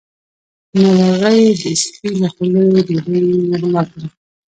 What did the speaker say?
مرغۍ د سپي له خولې ډوډۍ وغلا کړه.